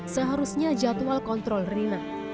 seharusnya jadwal kontrol rina